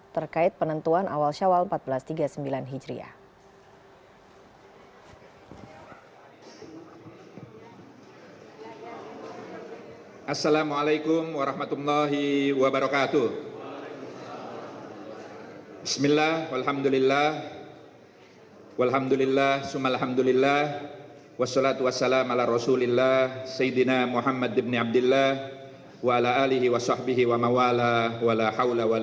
terkait penentuan awal syawal seribu empat ratus tiga puluh sembilan hijriah